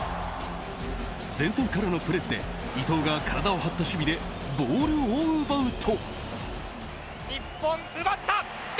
前線からのプレスで伊東が体を張った守備でボールを奪うと。